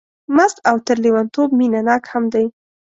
مست او تر لېونتوب مینه ناک هم دی.